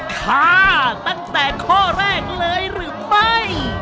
ฆ่าตั้งแต่ข้อแรกเลยหรือไม่